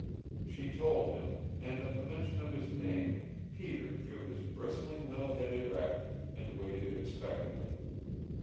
She told him, and at the mention of his name Peter drew his bristling little head erect, and waited expectantly.